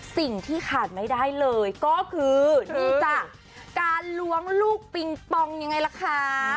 สิ่งที่ขาดไม่ได้เลยก็คือดูจ้ะการล้วงลูกปิงปองยังไงล่ะคะ